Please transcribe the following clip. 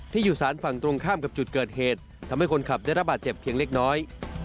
อยู่สารฝั่งตรงข้ามกับจุดเกิดเหตุทำให้คนขับได้รับบาดเจ็บเพียงเล็กน้อย